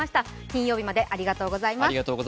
金曜日までありがとうございます。